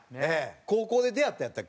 高校で出会ったんやったっけ？